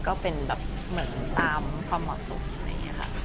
ก็บ้างกว่าก่อนหน้านี้